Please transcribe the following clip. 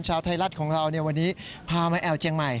ชาวไทยรัฐของเราวันนี้พามาแอวเจียงใหม่